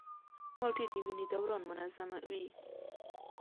مالټې د وینې دوران منظموي.